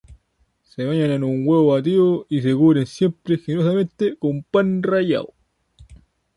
Se bañan en huevo batido y se cubren siempre generosamente con pan rallado.